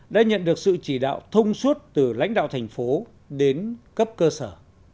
đã nhận được sự chỉ đạo thông suốt từ lãnh đạo thành phố đến cấp cơ sở